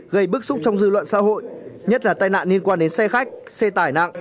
gây bức xúc trong dư luận xã hội nhất là tai nạn liên quan đến xe khách xe tải nặng